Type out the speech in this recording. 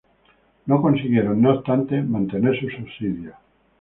No consiguieron, no obstante, mantener sus subsidios.